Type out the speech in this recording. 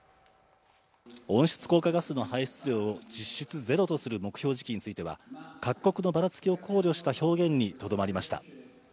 温室効果ガスの排出量を実質ゼロとする目標時期については各国のばらつきを考慮した表現にとどまりました。